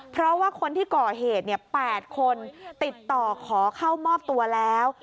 เพราะว่าคนที่ก่อเหตุ๘คนติดต่อขอเข้ามอบตัวแล้ว